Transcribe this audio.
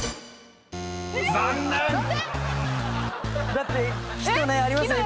だって木とありますよね